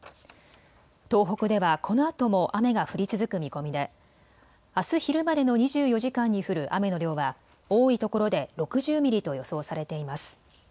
東北ではこのあとも雨が降り続く見込みであす昼までの２４時間に降る雨の量は多いところで６０ミリと予想されています。